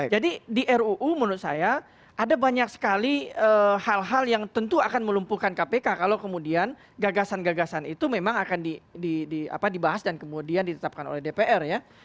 jadi di ruu menurut saya ada banyak sekali hal hal yang tentu akan melumpuhkan kpk kalau kemudian gagasan gagasan itu memang akan dibahas dan kemudian ditetapkan oleh dpr ya